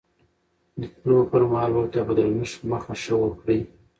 د تلو پر مهال ورته په درنښت مخه ښه وکړئ.